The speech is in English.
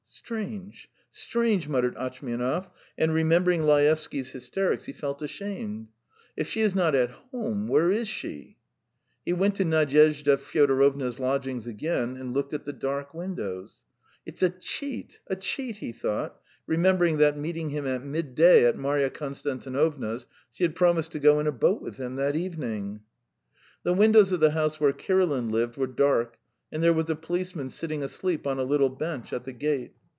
"Strange, strange," muttered Atchmianov, and remembering Laevsky's hysterics, he felt ashamed. "If she is not at home, where is she?" He went to Nadyezhda Fyodorovna's lodgings again, and looked at the dark windows. "It's a cheat, a cheat ..." he thought, remembering that, meeting him at midday at Marya Konstantinovna's, she had promised to go in a boat with him that evening. The windows of the house where Kirilin lived were dark, and there was a policeman sitting asleep on a little bench at the gate.